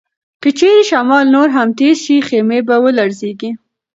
که چیرې شمال نور هم تېز شي، خیمې به ولړزيږي.